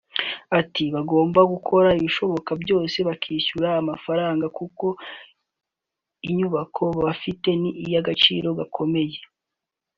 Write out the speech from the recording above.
Ati “Bagomba gukora ibishoboka byose bakishyura amafaranga kuko inyubako bafite ni iy’agaciro gakomeye